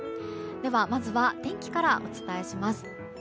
まずは天気からお伝えします。